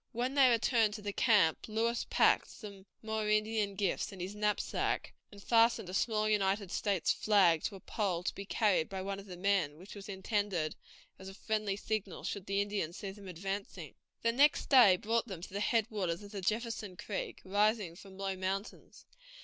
When they returned to the camp Lewis packed some more Indian gifts in his knapsack, and fastened a small United States flag to a pole to be carried by one of the men, which was intended as a friendly signal should the Indians see them advancing. The next day brought them to the head waters of the Jefferson River, rising from low mountains.